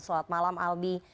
selamat malam albi